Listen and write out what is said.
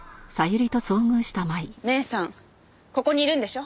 姉さんここにいるんでしょ？